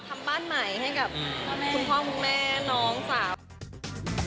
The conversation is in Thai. ทำบ้านใหม่ให้กับคุณพ่อคุณแม่น้องสาว